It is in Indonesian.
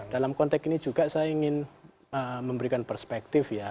dalam konteks ini juga saya ingin memberikan perspektif ya